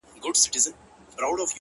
• د دې زوی په شکایت یمه راغلې ,